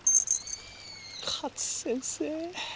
勝先生。